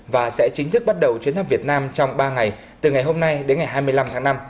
và sẽ chính thức bắt đầu chuyến thăm việt nam trong ba ngày từ ngày hôm nay đến ngày hai mươi năm tháng năm